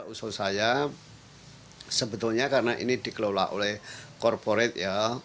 usul saya sebetulnya karena ini dikelola oleh korporat ya